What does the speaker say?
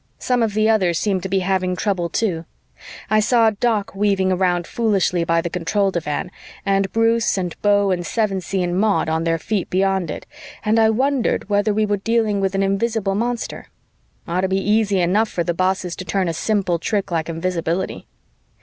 Some of the others seemed to be having trouble too. I saw Doc weaving around foolishly by the control divan, and Bruce and Beau and Sevensee and Maud on their feet beyond it, and I wondered whether we were dealing with an invisible monster; ought to be easy enough for the bosses to turn a simple trick like invisibility.